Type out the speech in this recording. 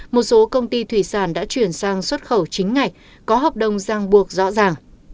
một số công ty thủy sản đã chuyển sang xuất khẩu chính ngạch có hợp đồng giang buộc rõ ràng